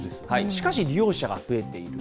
しかし利用者が増えている。